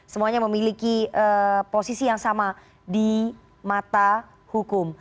semuanya memiliki posisi yang sama di mata hukum